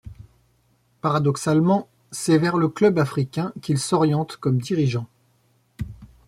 Paradoxalement c'est vers le Club africain qu'il s'oriente comme dirigeant.